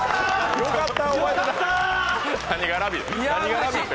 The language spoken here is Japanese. よかった！